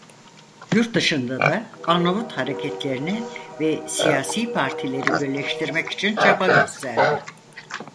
Yurtdışında da Arnavut hareketlerini ve siyasi partileri birleştirmek için çaba gösterdi.